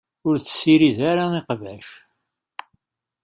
Ur tessirid ara iqbac